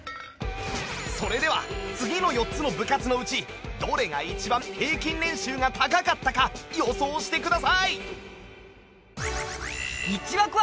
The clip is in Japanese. それでは次の４つの部活のうちどれが一番平均年収が高かったか予想してください！